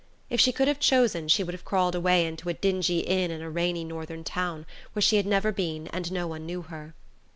If she could have chosen she would have crawled away into a dingy inn in a rainy northern town, where she had never been and no one knew her.